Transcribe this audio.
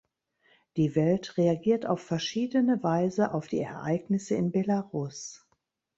Die Welt reagiert auf verschiedene Weise auf die Ereignisse in Belarus.